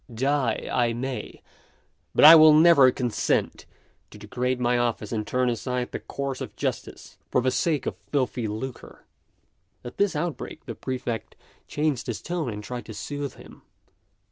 Die I may, but I will never consent to degrade my office and turn aside the course of justice for the sake of filthy lucre." At this outbreak the Prefect changed his tone, and tried to soothe him....